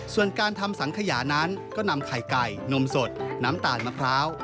ส่วนการทำสังขยานั้นก็นำไข่ไก่นมสดน้ำตาลมะพร้าว